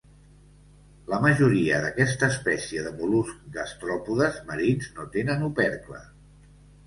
La majoria d'aquesta espècie de mol·luscs gastròpodes marins, no tenen opercle.